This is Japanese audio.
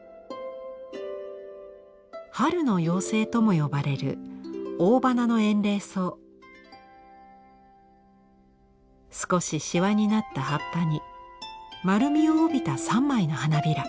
「春の妖精」とも呼ばれる少しシワになった葉っぱに丸みを帯びた３枚の花びら。